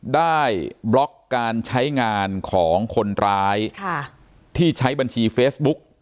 บล็อกการใช้งานของคนร้ายที่ใช้บัญชีเฟซบุ๊ก